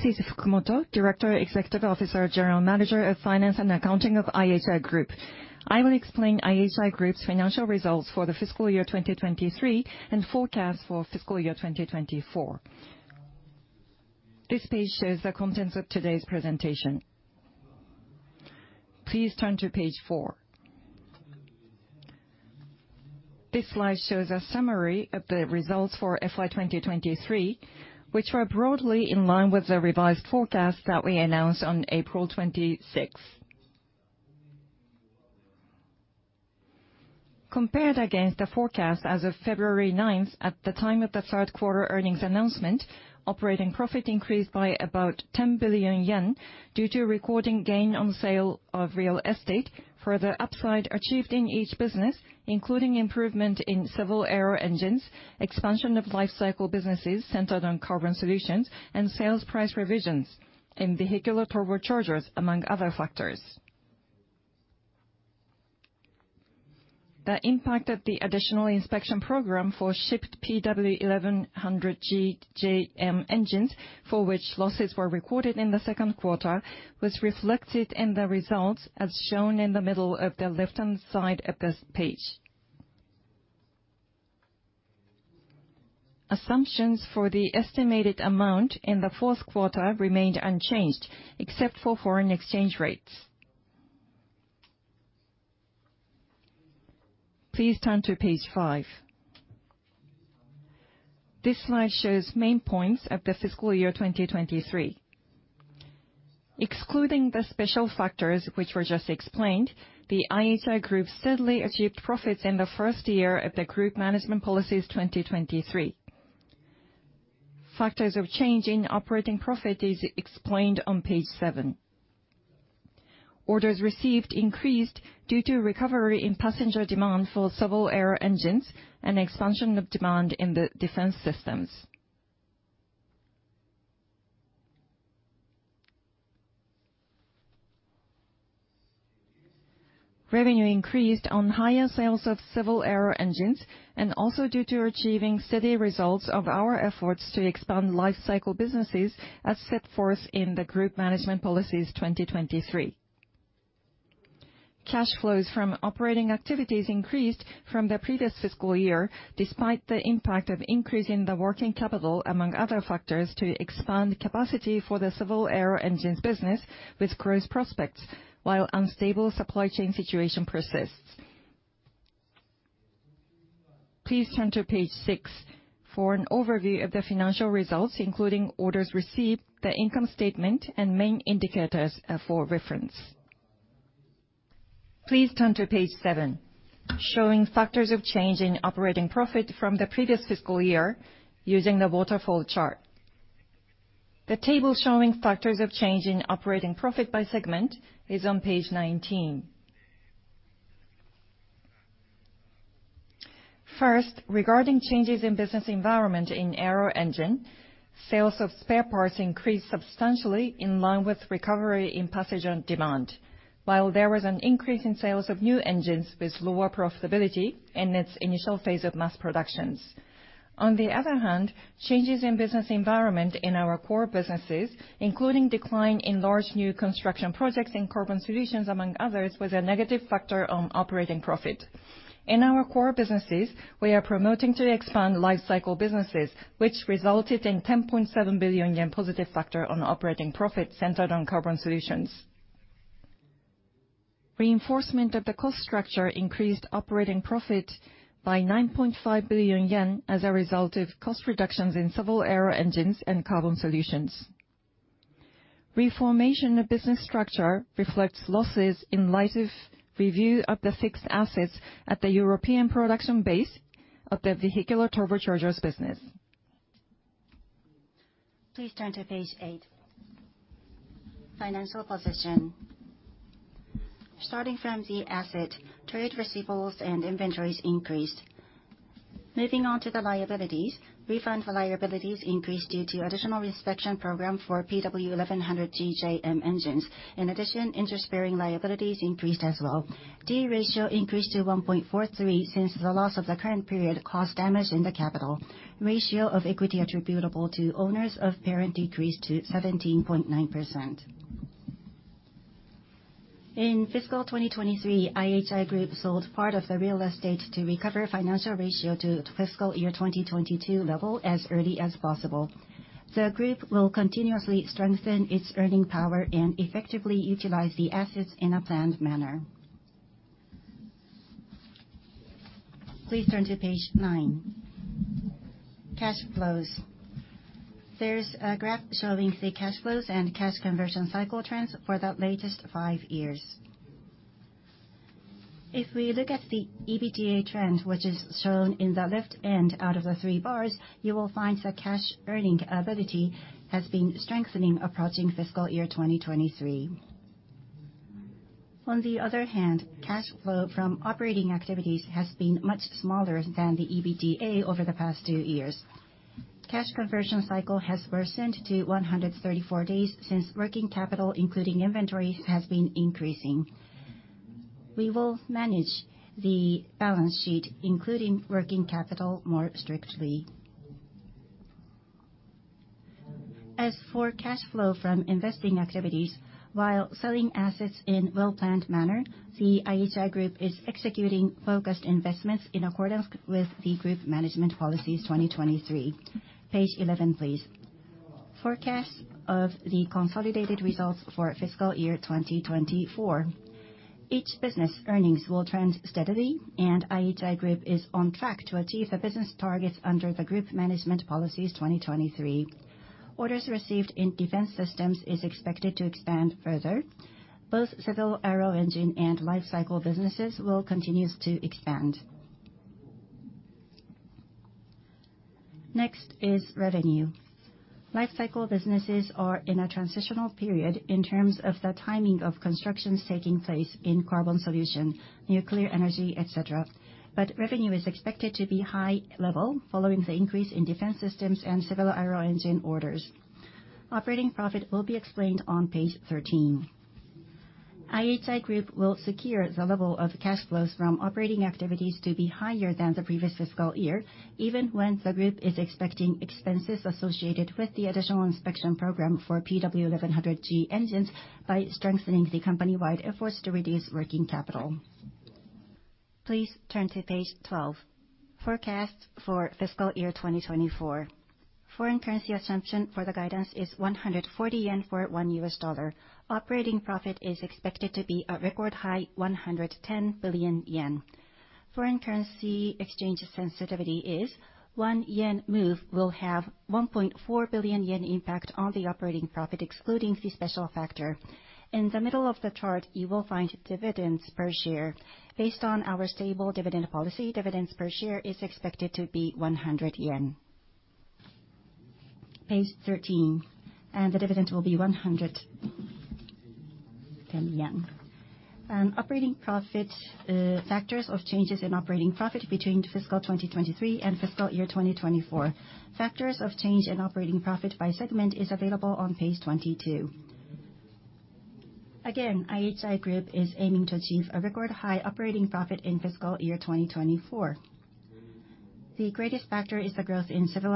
This is Fukumoto, Director and Executive Officer, General Manager of Finance and Accounting of IHI Group. I will explain IHI Group's financial results for the fiscal year 2023 and forecast for fiscal year 2024. This page shows the contents of today's presentation. Please turn to page four. This slide shows a summary of the results for FY 2023, which were broadly in line with the revised forecast that we announced on April 26, 2024. Compared against the forecast as of February 9, 2024 at the time of the third quarter earnings announcement, operating profit increased by about 10 billion yen due to recording gain on sale of real estate, further upside achieved in each business, including improvement in civil aero engines, expansion of lifecycle businesses centered on carbon solutions, and sales price revisions in vehicular turbochargers, among other factors. The impact of the additional inspection program for shipped PW1100G-JM engines, for which losses were recorded in the second quarter, was reflected in the results as shown in the middle of the left-hand side of this page. Assumptions for the estimated amount in the fourth quarter remained unchanged, except for foreign exchange rates. Please turn to page five. This slide shows main points of the fiscal year 2023. Excluding the special factors, which were just explained, the IHI Group steadily achieved profits in the first year of the Group Management Policies 2023. Factors of change in operating profit is explained on page seven. Orders received increased due to recovery in passenger demand for civil aero engines and expansion of demand in the defense systems. Revenue increased on higher sales of civil aero engines, and also due to achieving steady results of our efforts to expand lifecycle businesses as set forth in the Group Management Policies 2023. Cash flows from operating activities increased from the previous fiscal year, despite the impact of increasing the working capital, among other factors, to expand capacity for the civil aero engines business with strong prospects, while unstable supply chain situation persists. Please turn to page six for an overview of the financial results, including orders received, the income statement, and main indicators, for reference. Please turn to page seven, showing factors of change in operating profit from the previous fiscal year using the waterfall chart. The table showing factors of change in operating profit by segment is on page 19. First, regarding changes in business environment in aero engine, sales of spare parts increased substantially in line with recovery in passenger demand, while there was an increase in sales of new engines with lower profitability in its initial phase of mass productions. On the other hand, changes in business environment in our core businesses, including decline in large new construction projects and carbon solutions, among others, was a negative factor on operating profit. In our core businesses, we are promoting to expand lifecycle businesses, which resulted in 10.7 billion yen positive factor on operating profit centered on carbon solutions. Reinforcement of the cost structure increased operating profit by 9.5 billion yen as a result of cost reductions in civil aero engines and carbon solutions. Reformation of business structure reflects losses in light of review of the fixed assets at the European production base of the vehicular turbochargers business. Please turn to page 8. Financial position. Starting from the asset, trade receivables and inventories increased. Moving on to the liabilities, refund liabilities increased due to additional inspection program for PW1100G-JM engines. In addition, interest-bearing liabilities increased as well. D/E ratio increased to 1.43% since the loss of the current period caused damage in the capital. Ratio of equity attributable to owners of parent decreased to 17.9%. In fiscal 2023, IHI Group sold part of the real estate to recover financial ratio to fiscal year 2022 level as early as possible. The group will continuously strengthen its earning power and effectively utilize the assets in a planned manner. Please turn to page 9. Cash flows. There's a graph showing the cash flows and cash conversion cycle trends for the latest five years. If we look at the EBITDA trend, which is shown in the left end out of the three bars, you will find that cash earning ability has been strengthening approaching fiscal year 2023. On the other hand, cash flow from operating activities has been much smaller than the EBITDA over the past two years. Cash conversion cycle has worsened to 134 days since working capital, including inventory, has been increasing. We will manage the balance sheet, including working capital, more strictly. As for cash flow from investing activities, while selling assets in a well-planned manner, the IHI Group is executing focused investments in accordance with the Group Management Policies 2023. Page 11, please. Forecast of the consolidated results for fiscal year 2024. Each business earnings will trend steadily, and IHI Group is on track to achieve the business targets under the Group Management Policies 2023. Orders received in defense systems is expected to expand further. Both civil aero engine and lifecycle businesses will continue to expand. Next is revenue. Lifecycle businesses are in a transitional period in terms of the timing of constructions taking place in carbon solution, nuclear energy, etc., but revenue is expected to be high level following the increase in defense systems and civil aero engine orders. Operating profit will be explained on page 13. IHI Group will secure the level of cash flows from operating activities to be higher than the previous fiscal year, even when the group is expecting expenses associated with the additional inspection program for PW1100G engines by strengthening the company-wide efforts to reduce working capital. Please turn to page 12. Forecast for fiscal year 2024. Foreign currency assumption for the guidance is 140 yen for one US dollar. Operating profit is expected to be a record high 110 billion yen. Foreign currency exchange sensitivity is 1 yen move will have 1.4 billion yen impact on the operating profit, excluding the special factor. In the middle of the chart, you will find dividends per share. Based on our stable dividend policy, dividends per share is expected to be 100 yen. Page 13, and the dividend will be 110 yen. Operating profit, factors of changes in operating profit between fiscal 2023 and fiscal 2024. Factors of change in operating profit by segment is available on page 22. Again, IHI Group is aiming to achieve a record high operating profit in fiscal 2024. The greatest factor is the growth in civil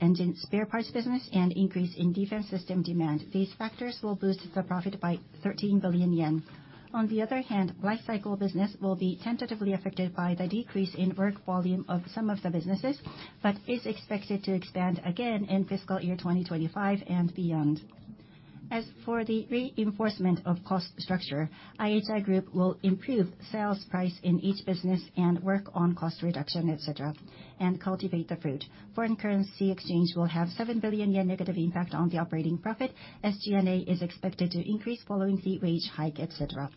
aero engine spare parts business and increase in defense system demand. These factors will boost the profit by 13 billion yen. On the other hand, lifecycle business will be tentatively affected by the decrease in work volume of some of the businesses, but is expected to expand again in fiscal year 2025 and beyond. As for the reinforcement of cost structure, IHI Group will improve sales price in each business and work on cost reduction, etc., and cultivate the fruit. Foreign currency exchange will have 7 billion yen negative impact on the operating profit. SG&A is expected to increase following the wage hike, etc.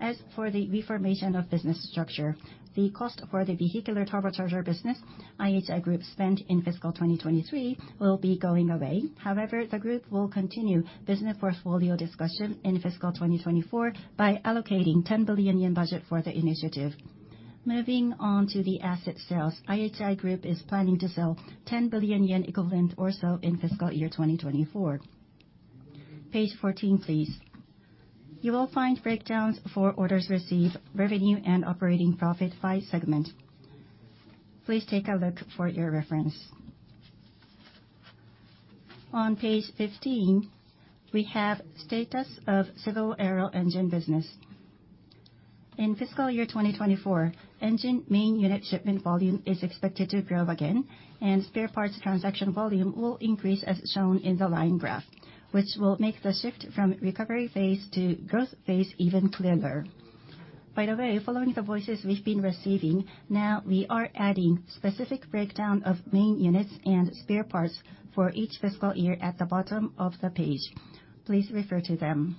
As for the reformation of business structure, the cost for the vehicular turbocharger business IHI Group spent in fiscal 2023 will be going away. However, the group will continue business portfolio discussion in fiscal 2024 by allocating 10 billion yen budget for the initiative. Moving on to the asset sales, IHI Group is planning to sell 10 billion yen equivalent or so in fiscal year 2024. Page 14, please. You will find breakdowns for orders received, revenue, and operating profit by segment. Please take a look for your reference. On page 15, we have status of civil aero engine business. In fiscal year 2024, engine main unit shipment volume is expected to grow again, and spare parts transaction volume will increase as shown in the line graph, which will make the shift from recovery phase to growth phase even clearer. By the way, following the voices we've been receiving, now we are adding specific breakdown of main units and spare parts for each fiscal year at the bottom of the page. Please refer to them.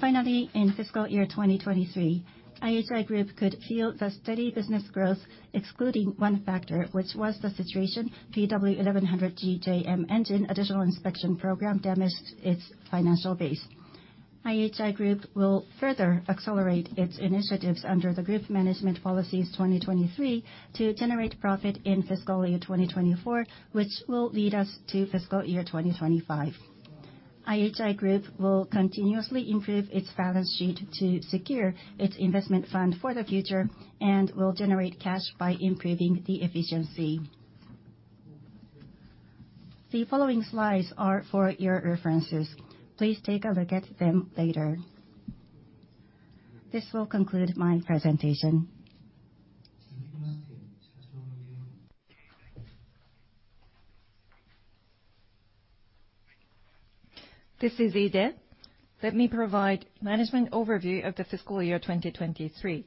Finally, in fiscal year 2023, IHI Group could feel the steady business growth, excluding one factor, which was the situation PW1100G-JM engine additional inspection program damaged its financial base. IHI Group will further accelerate its initiatives under the Group Management Policies 2023 to generate profit in fiscal year 2024, which will lead us to fiscal year 2025. IHI Group will continuously improve its balance sheet to secure its investment fund for the future and will generate cash by improving the efficiency. The following slides are for your references. Please take a look at them later. This will conclude my presentation. This is Ide. Let me provide management overview of the fiscal year 2023.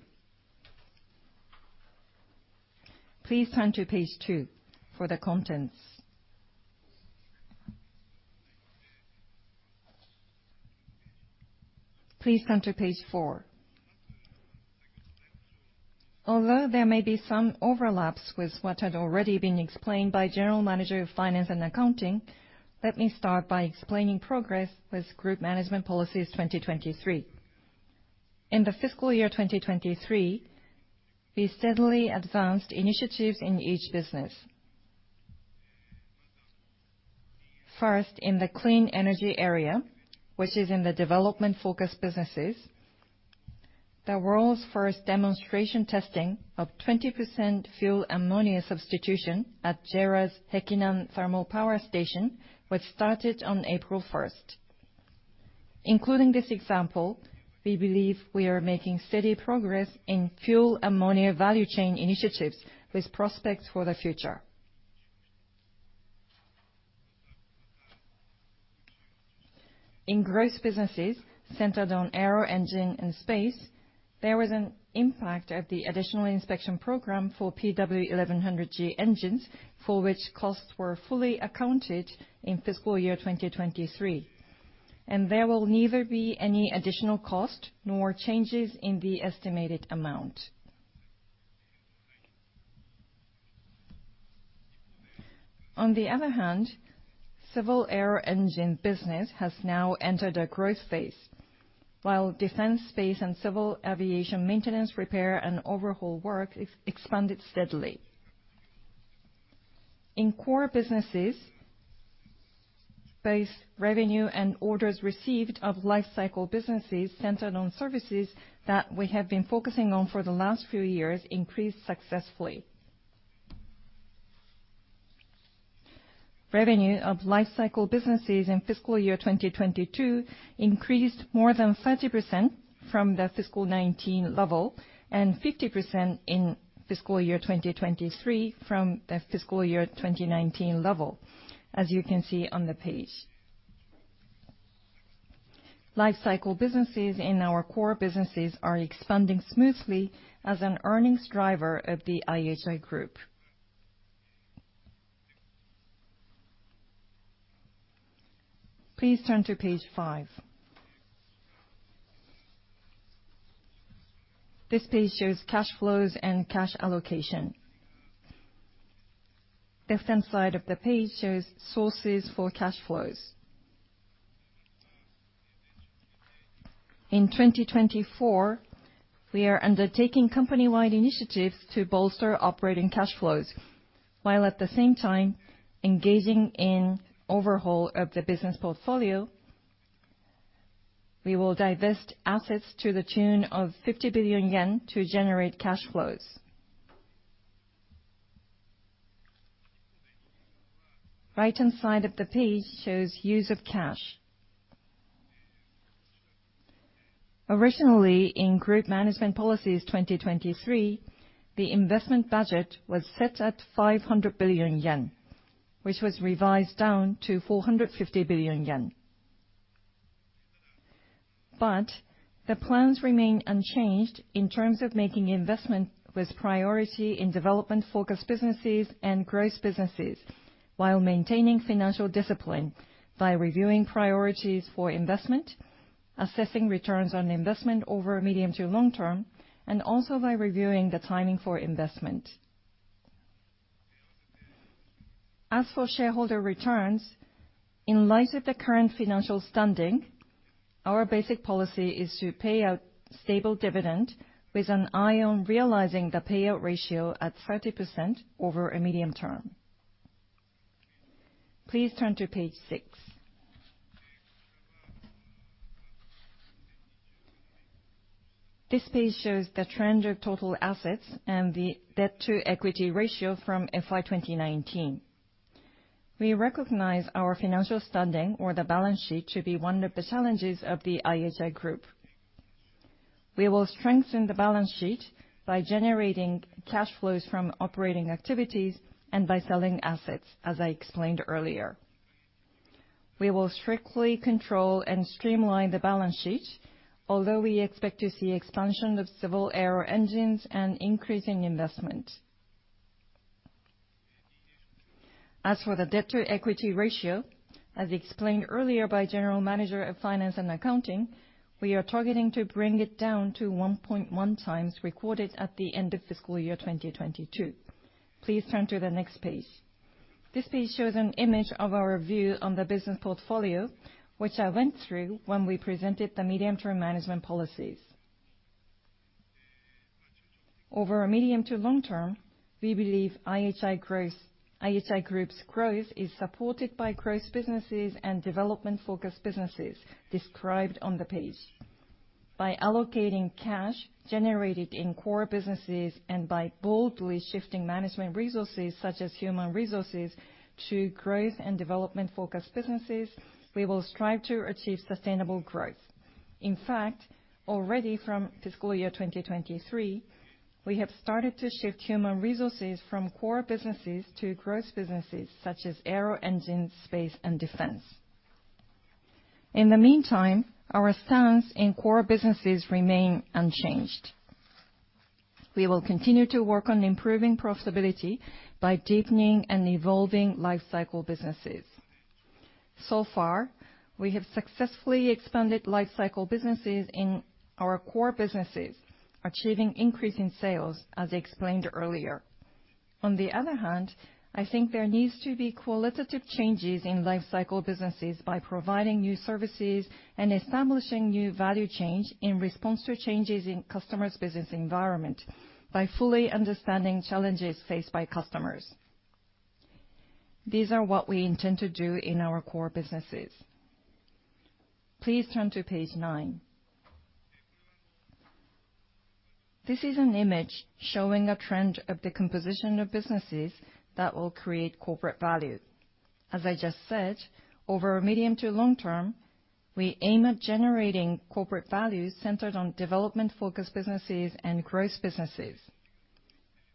Please turn to page two for the contents. Please turn to page four. Although there may be some overlaps with what had already been explained by General Manager of Finance and Accounting, let me start by explaining progress with Group Management Policies 2023. In the fiscal year 2023, we steadily advanced initiatives in each business. First, in the clean energy area, which is in the development-focused businesses, the world's first demonstration testing of 20% fuel ammonia substitution at JERA's Hekinan Thermal Power Station was started on April 1st. Including this example, we believe we are making steady progress in fuel ammonia value chain initiatives with prospects for the future. In gross businesses centered on aero engine and space, there was an impact of the additional inspection program for PW1100G engines, for which costs were fully accounted in fiscal year 2023, and there will neither be any additional cost nor changes in the estimated amount. On the other hand, civil aero engine business has now entered a growth phase, while defense space and civil aviation maintenance, repair, and overhaul work expanded steadily. In core businesses, both revenue and orders received of lifecycle businesses centered on services that we have been focusing on for the last few years increased successfully. Revenue of lifecycle businesses in fiscal year 2022 increased more than 30% from the fiscal 2019 level and 50% in fiscal year 2023 from the fiscal year 2019 level, as you can see on the page. Lifecycle businesses in our core businesses are expanding smoothly as an earnings driver of the IHI Group. Please turn to page five. This page shows cash flows and cash allocation. Left-hand side of the page shows sources for cash flows. In 2024, we are undertaking company-wide initiatives to bolster operating cash flows while, at the same time, engaging in overhaul of the business portfolio. We will divest assets to the tune of 50 billion yen to generate cash flows. Right-hand side of the page shows use of cash. Originally, in Group Management Policies 2023, the investment budget was set at 500 billion yen, which was revised down to 450 billion yen. The plans remain unchanged in terms of making investment with priority in development-focused businesses and gross businesses while maintaining financial discipline by reviewing priorities for investment, assessing returns on investment over medium to long term, and also by reviewing the timing for investment. As for shareholder returns, in light of the current financial standing, our basic policy is to pay out stable dividend with an eye on realizing the payout ratio at 30% over a medium term. Please turn to page six. This page shows the trend of total assets and the debt-to-equity ratio from FY 2019. We recognize our financial standing, or the balance sheet, to be one of the challenges of the IHI Group. We will strengthen the balance sheet by generating cash flows from operating activities and by selling assets, as I explained earlier. We will strictly control and streamline the balance sheet, although we expect to see expansion of civil aero engines and increase in investment. As for the debt-to-equity ratio, as explained earlier by General Manager of Finance and Accounting, we are targeting to bring it down to 1.1 times recorded at the end of fiscal year 2022. Please turn to the next page. This page shows an image of our view on the business portfolio, which I went through when we presented the medium-term management policies. Over a medium to long term, we believe IHI's growth, IHI Group's growth is supported by gross businesses and development-focused businesses described on the page. By allocating cash generated in core businesses and by boldly shifting management resources, such as human resources, to growth and development-focused businesses, we will strive to achieve sustainable growth. In fact, already from fiscal year 2023, we have started to shift human resources from core businesses to growth businesses, such as aero engine, space, and defense. In the meantime, our stance in core businesses remains unchanged. We will continue to work on improving profitability by deepening and evolving lifecycle businesses. So far, we have successfully expanded lifecycle businesses in our core businesses, achieving increase in sales, as I explained earlier. On the other hand, I think there needs to be qualitative changes in lifecycle businesses by providing new services and establishing new value chain in response to changes in customers' business environment by fully understanding challenges faced by customers. These are what we intend to do in our core businesses. Please turn to page nine. This is an image showing a trend of the composition of businesses that will create corporate value. As I just said, over a medium to long term, we aim at generating corporate value centered on development-focused businesses and growth businesses.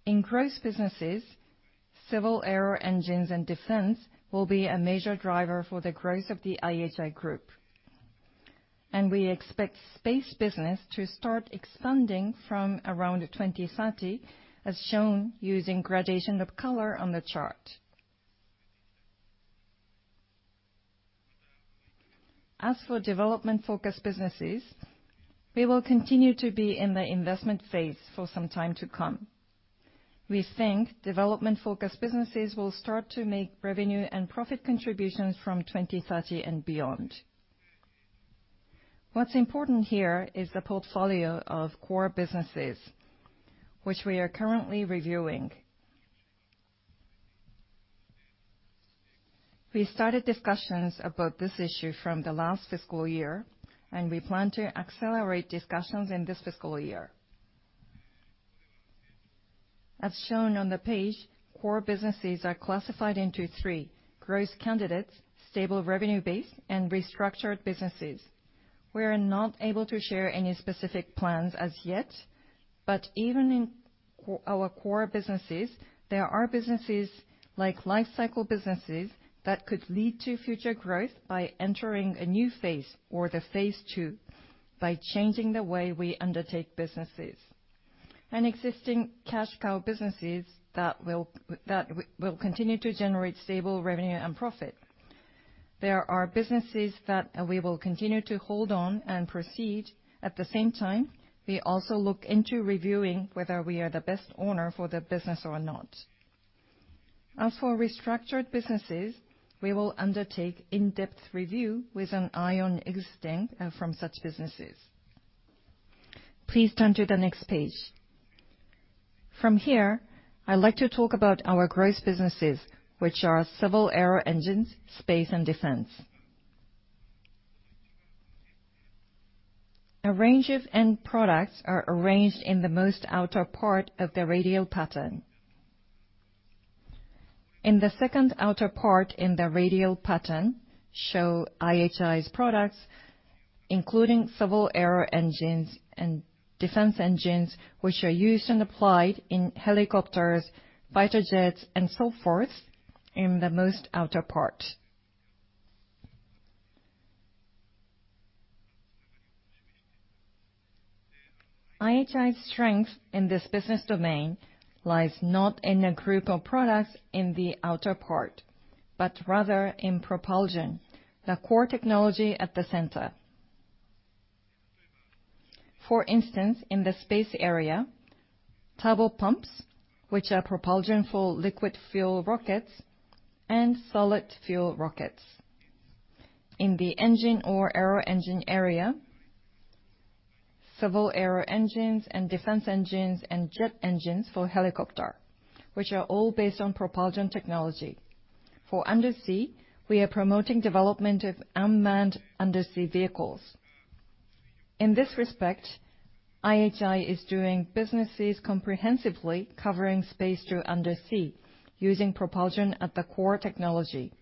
In growth businesses, civil aero engines and defense will be a major driver for the growth of the IHI Group, and we expect space business to start expanding from around 2030, as shown using gradation of color on the chart. As for development-focused businesses, we will continue to be in the investment phase for some time to come. We think development-focused businesses will start to make revenue and profit contributions from 2030 and beyond. What's important here is the portfolio of core businesses, which we are currently reviewing. We started discussions about this issue from the last fiscal year, and we plan to accelerate discussions in this fiscal year. As shown on the page, core businesses are classified into three: growth candidates, stable revenue-based, and restructured businesses. We are not able to share any specific plans as yet, but even in our core businesses, there are businesses like lifecycle businesses that could lead to future growth by entering a new phase, or phase two, by changing the way we undertake businesses and existing cash cow businesses that will continue to generate stable revenue and profit. There are businesses that we will continue to hold on and proceed. At the same time, we also look into reviewing whether we are the best owner for the business or not. As for restructured businesses, we will undertake in-depth review with an eye on exit from such businesses. Please turn to the next page. From here, I'd like to talk about our core businesses, which are civil aero engines, space, and defense. A range of end products are arranged in the most outer part of the radial pattern. In the second outer part in the radial pattern show IHI's products, including civil aero engines and defense engines, which are used and applied in helicopters, fighter jets, and so forth in the most outer part. IHI's strength in this business domain lies not in a group of products in the outer part, but rather in propulsion, the core technology at the center. For instance, in the space area, turbopumps, which are propulsion for liquid fuel rockets, and solid fuel rockets. In the engine or aero engine area, civil aero engines and defense engines and jet engines for helicopter, which are all based on propulsion technology. For undersea, we are promoting development of unmanned undersea vehicles. In this respect, IHI is doing businesses comprehensively covering space through undersea, using propulsion at the core technology.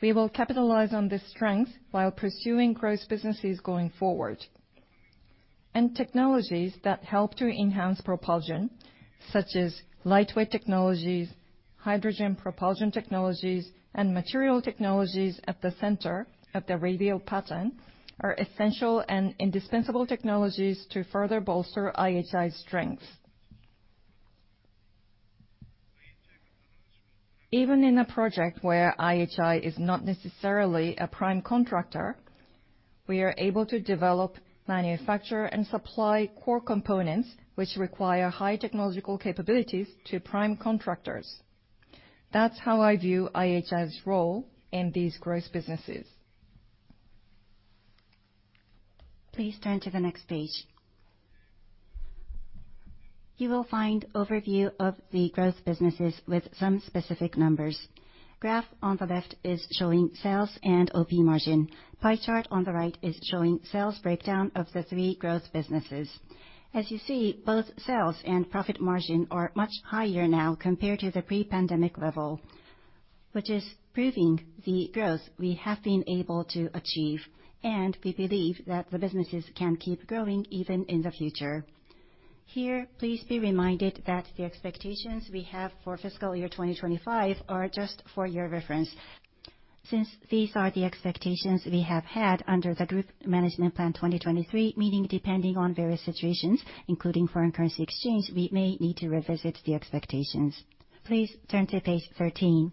We will capitalize on this strength while pursuing growth businesses going forward. Technologies that help to enhance propulsion, such as lightweight technologies, hydrogen propulsion technologies, and material technologies at the center of the radial pattern, are essential and indispensable technologies to further bolster IHI's strengths. Even in a project where IHI is not necessarily a prime contractor, we are able to develop, manufacture, and supply core components, which require high technological capabilities, to prime contractors. That's how I view IHI's role in these growth businesses. Please turn to the next page. You will find an overview of the growth businesses with some specific numbers. The graph on the left is showing sales and OP margin. The pie chart on the right is showing the sales breakdown of the three gross businesses. As you see, both sales and profit margin are much higher now compared to the pre-pandemic level, which is proving the growth we have been able to achieve, and we believe that the businesses can keep growing even in the future. Here, please be reminded that the expectations we have for fiscal year 2025 are just for your reference. Since these are the expectations we have had under the Group Management Plan 2023, meaning depending on various situations, including foreign currency exchange, we may need to revisit the expectations. Please turn to page 13.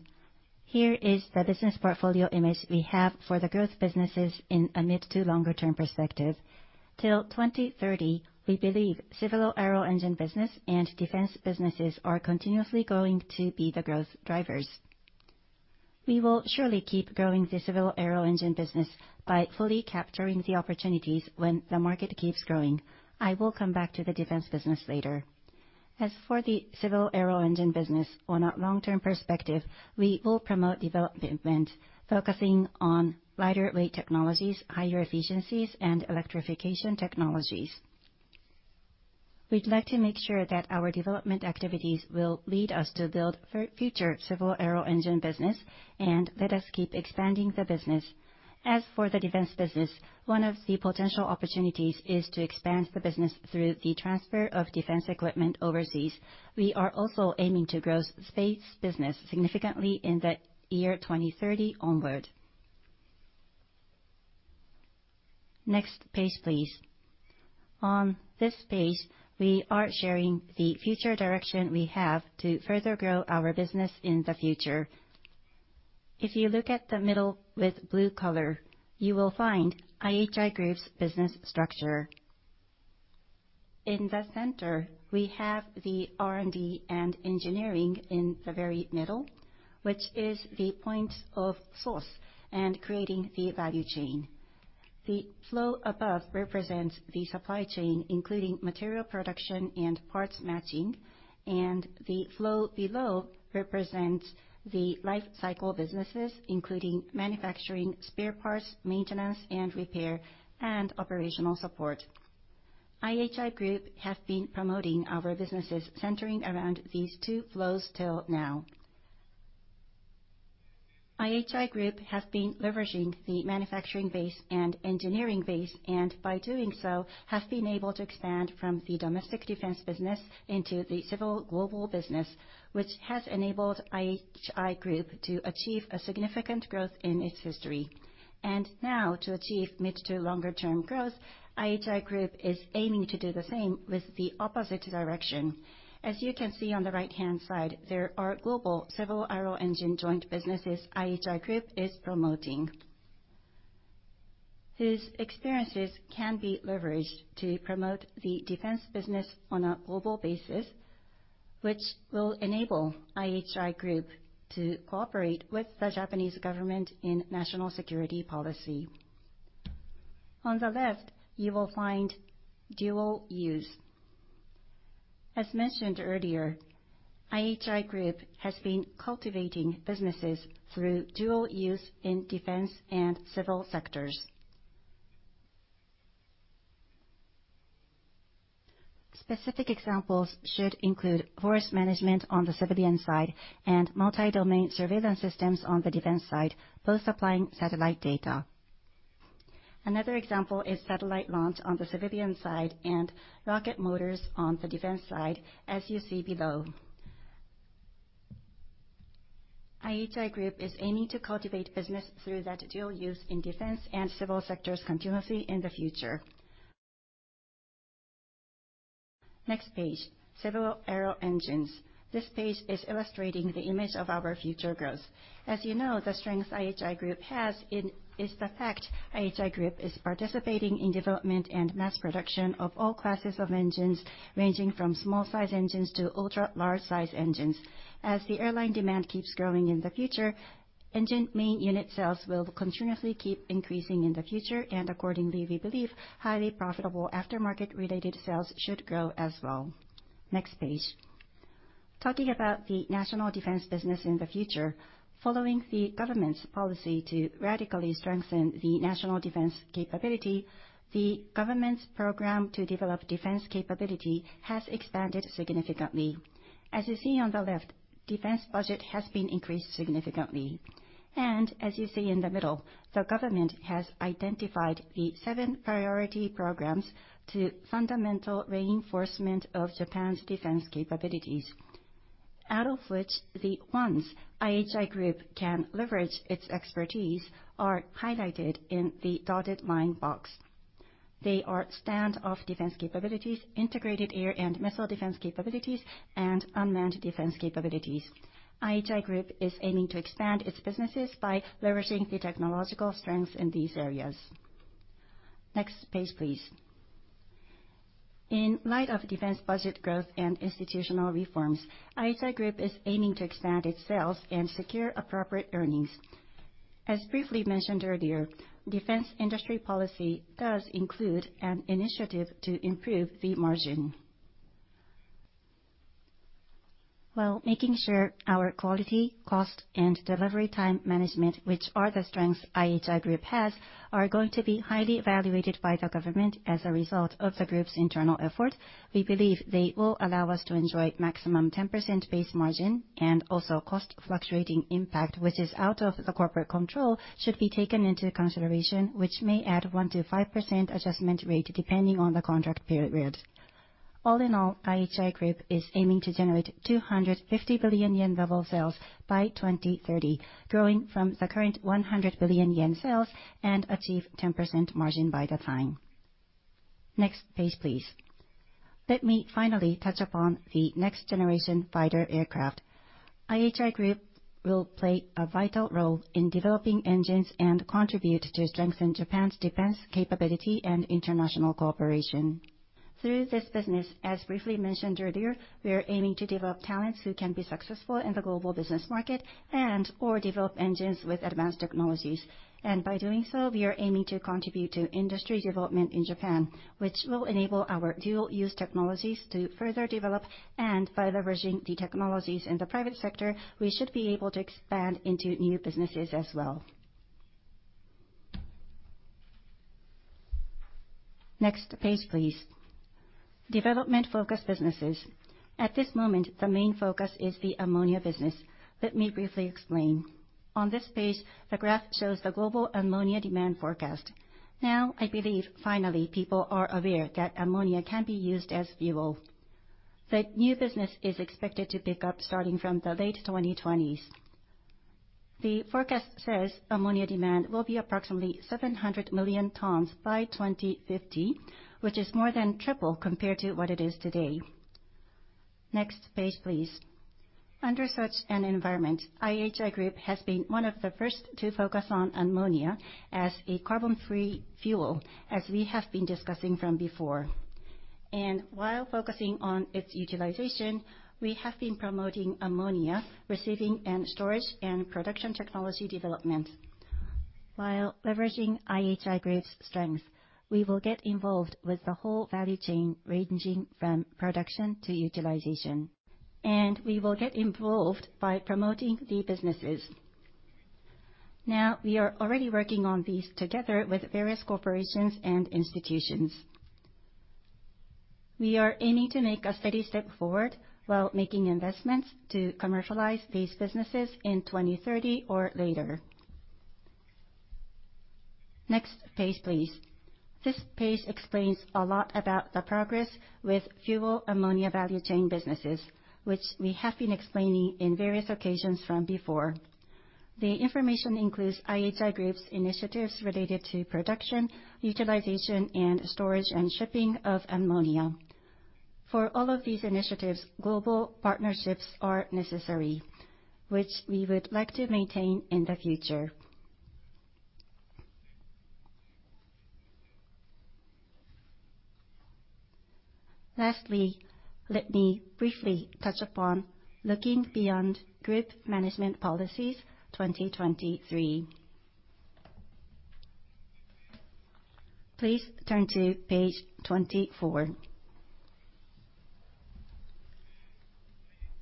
Here is the business portfolio image we have for the gross businesses in a mid to longer-term perspective. Till 2030, we believe civil aero engine business and defense businesses are continuously going to be the growth drivers. We will surely keep growing the civil aero engine business by fully capturing the opportunities when the market keeps growing. I will come back to the defense business later. As for the civil aero engine business, on a long-term perspective, we will promote development, focusing on lighter-weight technologies, higher efficiencies, and electrification technologies. We'd like to make sure that our development activities will lead us to build future civil aero engine business and let us keep expanding the business. As for the defense business, one of the potential opportunities is to expand the business through the transfer of defense equipment overseas. We are also aiming to grow space business significantly in the year 2030 onward. Next page, please. On this page, we are sharing the future direction we have to further grow our business in the future. If you look at the middle with blue color, you will find IHI Group's business structure. In the center, we have the R&D and engineering in the very middle, which is the point of source and creating the value chain. The flow above represents the supply chain, including material production and parts matching, and the flow below represents the lifecycle businesses, including manufacturing, spare parts, maintenance and repair, and operational support. IHI Group has been promoting our businesses centering around these two flows till now. IHI Group has been leveraging the manufacturing base and engineering base and, by doing so, has been able to expand from the domestic defense business into the civil global business, which has enabled IHI Group to achieve a significant growth in its history. And now, to achieve mid to longer-term growth, IHI Group is aiming to do the same with the opposite direction. As you can see on the right-hand side, there are global civil aero engine joint businesses IHI Group is promoting, whose experiences can be leveraged to promote the defense business on a global basis, which will enable IHI Group to cooperate with the Japanese government in national security policy. On the left, you will find dual use. As mentioned earlier, IHI Group has been cultivating businesses through dual use in defense and civil sectors. Specific examples should include forest management on the civilian side and multi-domain surveillance systems on the defense side, both supplying satellite data. Another example is satellite launch on the civilian side and rocket motors on the defense side, as you see below. IHI Group is aiming to cultivate business through that dual use in defense and civil sectors continuously in the future. Next page, civil aero engines. This page is illustrating the image of our future growth. As you know, the strengths IHI Group has is the fact IHI Group is participating in development and mass production of all classes of engines, ranging from small-size engines to ultra-large-size engines. As the airline demand keeps growing in the future, engine main unit sales will continuously keep increasing in the future, and accordingly, we believe highly profitable aftermarket-related sales should grow as well. Next page. Talking about the national defense business in the future, following the government's policy to radically strengthen the national defense capability, the government's program to develop defense capability has expanded significantly. As you see on the left, the defense budget has been increased significantly. As you see in the middle, the government has identified the seven priority programs to fundamental reinforcement of Japan's defense capabilities, out of which the ones IHI Group can leverage its expertise are highlighted in the dotted line box. They are stand-off defense capabilities, integrated air and missile defense capabilities, and unmanned defense capabilities. IHI Group is aiming to expand its businesses by leveraging the technological strengths in these areas. Next page, please. In light of defense budget growth and institutional reforms, IHI Group is aiming to expand its sales and secure appropriate earnings. As briefly mentioned earlier, defense industry policy does include an initiative to improve the margin. While making sure our quality, cost, and delivery time management, which are the strengths IHI Group has, are going to be highly evaluated by the government as a result of the group's internal effort, we believe they will allow us to enjoy a maximum 10% base margin, and also cost fluctuating impact, which is out of the corporate control, should be taken into consideration, which may add a 1%-5% adjustment rate depending on the contract period. All in all, IHI Group is aiming to generate 250 billion yen level sales by 2030, growing from the current 100 billion yen sales, and achieve a 10% margin by that time. Next page, please. Let me finally touch upon the next-generation fighter aircraft. IHI Group will play a vital role in developing engines and contribute to strengthening Japan's defense capability and international cooperation. Through this business, as briefly mentioned earlier, we are aiming to develop talents who can be successful in the global business market and/or develop engines with advanced technologies. And by doing so, we are aiming to contribute to industry development in Japan, which will enable our dual-use technologies to further develop. And by leveraging the technologies in the private sector, we should be able to expand into new businesses as well. Next page, please. Development-focused businesses. At this moment, the main focus is the ammonia business. Let me briefly explain. On this page, the graph shows the global ammonia demand forecast. Now, I believe, finally, people are aware that ammonia can be used as fuel. The new business is expected to pick up starting from the late 2020s. The forecast says ammonia demand will be approximately 700,000,000 tons by 2050, which is more than triple compared to what it is today. Next page, please. Under such an environment, IHI Group has been one of the first to focus on ammonia as a carbon-free fuel, as we have been discussing from before. While focusing on its utilization, we have been promoting ammonia receiving and storage and production technology development. While leveraging IHI Group's strengths, we will get involved with the whole value chain, ranging from production to utilization. We will get involved by promoting the businesses. Now, we are already working on these together with various corporations and institutions. We are aiming to make a steady step forward while making investments to commercialize these businesses in 2030 or later. Next page, please. This page explains a lot about the progress with fuel ammonia value chain businesses, which we have been explaining in various occasions from before. The information includes IHI Group's initiatives related to production, utilization, and storage and shipping of ammonia. For all of these initiatives, global partnerships are necessary, which we would like to maintain in the future. Lastly, let me briefly touch upon looking beyond Group Management Policies 2023. Please turn to page 24.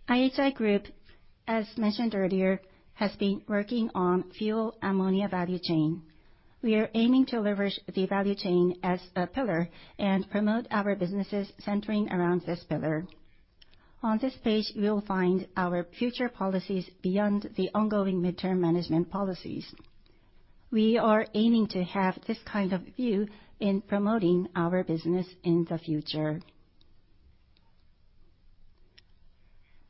IHI Group, as mentioned earlier, has been working on fuel ammonia value chain. We are aiming to leverage the value chain as a pillar and promote our businesses centering around this pillar. On this page, you will find our future policies beyond the ongoing mid-term management policies. We are aiming to have this kind of view in promoting our business in the future.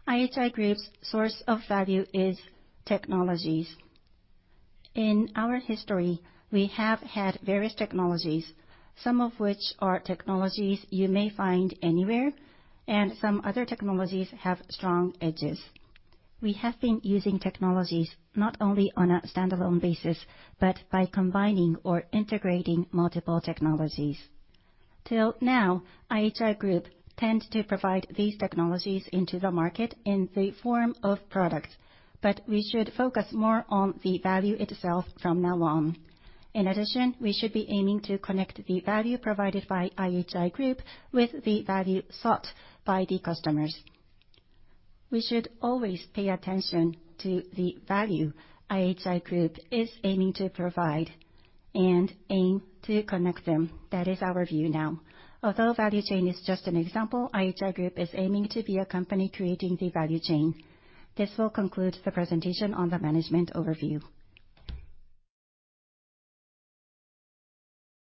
IHI Group's source of value is technologies. In our history, we have had various technologies, some of which are technologies you may find anywhere, and some other technologies have strong edges. We have been using technologies not only on a standalone basis but by combining or integrating multiple technologies. Till now, IHI Group tended to provide these technologies into the market in the form of products, but we should focus more on the value itself from now on. In addition, we should be aiming to connect the value provided by IHI Group with the value sought by the customers. We should always pay attention to the value IHI Group is aiming to provide and aim to connect them. That is our view now. Although value chain is just an example, IHI Group is aiming to be a company creating the value chain. This will conclude the presentation on the management overview.